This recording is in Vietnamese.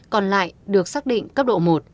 còn lại được xác định cấp độ một